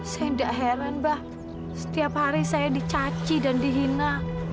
saya tidak heran mbak setiap hari saya dicaci dan dihina